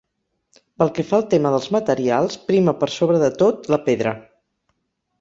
Pel que fa al tema dels materials, prima per sobre de tot la pedra.